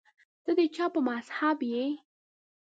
ته د چا په مذهب یې